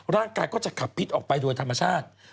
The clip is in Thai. ร่างกายก็จะขับพิษออกไปโดยธรรมชาติ